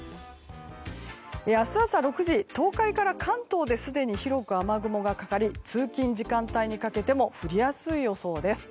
明日朝６時、東海から関東ですでに広く雨雲がかかり通勤時間帯にかけても降りやすい予想です。